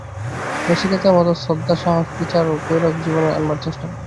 নচিকেতার মত শ্রদ্ধা সাহস বিচার ও বৈরাগ্য জীবনে আনবার চেষ্টা কর্।